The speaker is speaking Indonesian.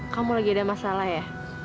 kamu lagi ada masalah ya